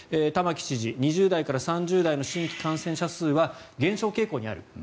玉城知事、２０代、３０代の新規感染者数は減少傾向にある。